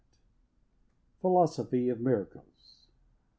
PHILOSOPHY OF MIRACLES.